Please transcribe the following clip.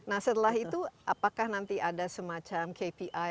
nah setelah itu apakah nanti ada semacam kpi